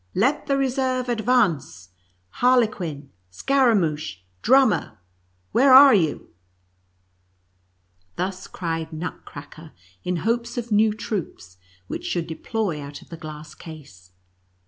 " Let the reserve advance ! Harlequin — Scara mouch — Drummer — where are you J" Thus cried Nutcracker, in hopes of new troops which should deploy out of the glass case.